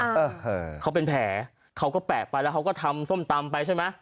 เออเขาเป็นแผลเขาก็แปลกไปแล้วเขาก็ทำส้มตำไปใช่ไหม